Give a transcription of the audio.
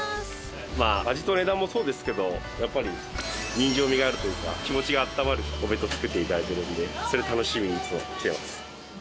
まあ味と値段もそうですけどやっぱり人情味があるというか気持ちがあったまるお弁当作っていただいてるんでそれ楽しみにいつも来てます。